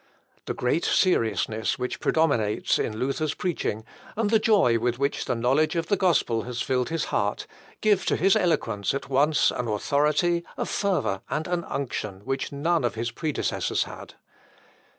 The great seriousness which predominates in Luther's preaching, and the joy with which the knowledge of the gospel has filled his heart, give to his eloquence at once an authority, a fervour, and an unction which none of his predecessors had.